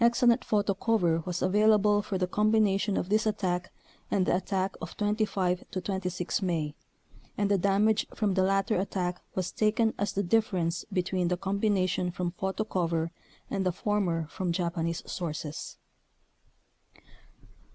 Excellent photo cover was avail able for the combination of this attack and the attack of 25 26 May, and the damage from the latter attack was taken as the difference be tween the combination from photo cover and the former from Japanese sources.